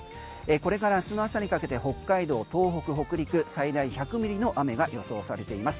これから明日の朝にかけて北海道、東北、北陸は最大１００ミリの雨が予想されています。